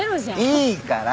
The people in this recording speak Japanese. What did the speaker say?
いいから！